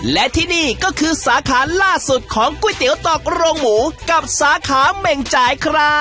ช่วงนี้จะพามากี่ของอร่อย